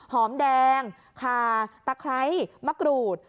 หอมแดงคาตะไคร้มะกรูด